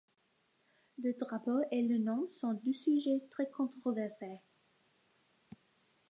Le drapeau et le nom sont deux sujets très controversés.